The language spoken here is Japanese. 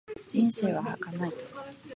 人生は儚い。